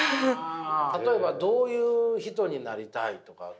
例えばどういう人になりたいとか？